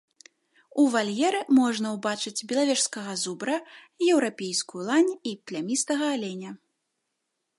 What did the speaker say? У вальеры можна ўбачыць белавежскага зубра, еўрапейскую лань і плямістага аленя.